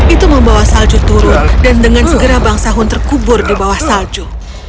itu membawa salju turun dan dengan segera bang sahun terkubur di bawah salju